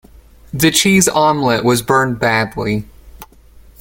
The cheese omelette was burned badly.